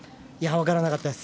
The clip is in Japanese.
分からなかったです。